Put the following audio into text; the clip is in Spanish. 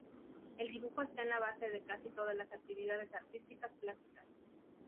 El dibujo está en la base de casi todas las actividades artísticas plásticas.